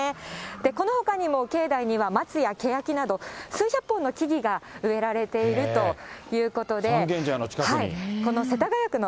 このほかにも境内には松やけやきなど、数百本の木々が植えられて三軒茶屋の近くに。